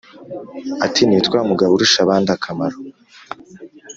ati: "nitwa mugaburushabandakamaro.